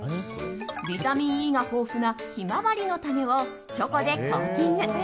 ビタミンＥが豊富なヒマワリの種をチョコでコーティング。